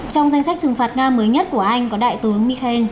trong danh sách trừng phạt nga mới nhất của anh có đại tướng mikel